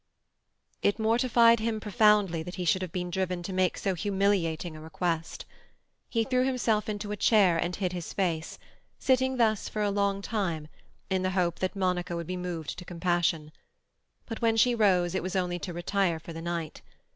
It mortified him profoundly that he should have been driven to make so humiliating a request. He threw himself into a chair and hid his face, sitting thus for a long time in the hope that Monica would be moved to compassion. But when she rose it was only to retire for the night.